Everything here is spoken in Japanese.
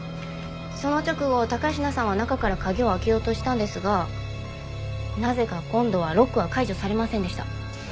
その直後高階さんは中から鍵を開けようとしたんですがなぜか今度はロックは解除されませんでした。